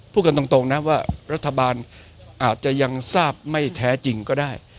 พูดกันตรงนะว่ารัฐบาลอาจจะยังทราบไม่แท้จริงก็ได้